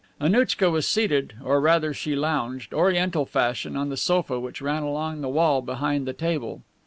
Annouchka was seated, or, rather, she lounged, Oriental fashion, on the sofa which ran along the wall behind the table.